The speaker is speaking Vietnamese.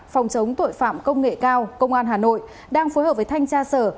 phòng chống tội phạm công nghệ cao công an hà nội đang phối hợp với thanh tra sở